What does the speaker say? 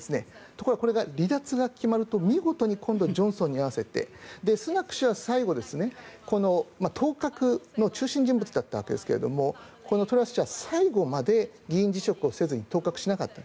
ところがこれが離脱が決まると見事に今度はジョンソンに合わせてスナク氏は最後倒閣の中心人物だったわけですがこのトラス氏は最後まで議員辞職をせずに倒閣しなかった。